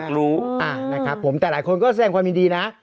รู้นะครับผมแต่หลายคนก็แสดงความยินดีนะ